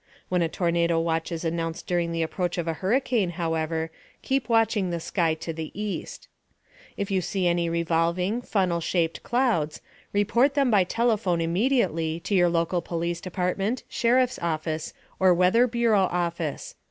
(When a tornado watch is announced during the approach of a hurricane, however, keep watching the sky to the east.) If you see any revolving, funnel shaped clouds, report them by telephone immediately to your local police department, sheriff's office or Weather Bureau office.